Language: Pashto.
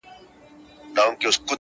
ځم د روح په هر رگ کي خندا کومه.